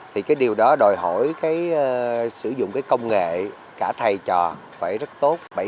thì điều đó đòi hỏi sử dụng công nghệ cả thầy trò phải rất tốt